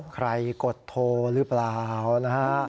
ใครกดโทรศัพท์หรือเปล่านะฮะ